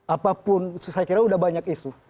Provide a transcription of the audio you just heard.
apapun saya kira sudah banyak isu